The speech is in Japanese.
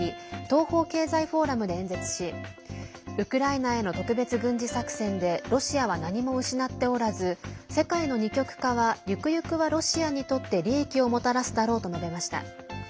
東方経済フォーラムで演説しウクライナへの特別軍事作戦でロシアは何も失っておらず世界の二極化はゆくゆくはロシアにとって利益をもたらすだろうと述べました。